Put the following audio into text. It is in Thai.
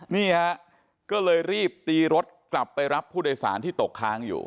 นี่ฮะก็เลยรีบตีรถกลับไปรับผู้โดยสารที่ตกค้างอยู่